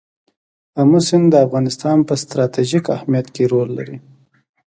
آمو سیند د افغانستان په ستراتیژیک اهمیت کې رول لري.